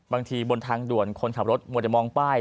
บางทีบนทางด่วนคนขับรถมัวแต่มองป้าย